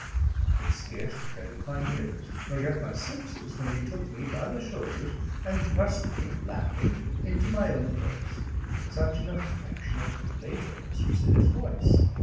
I could scarce credit my ears, nor yet my senses, when he took me by the shoulders and thrust me, laughing, into my own place such an affectionate playfulness was in his voice.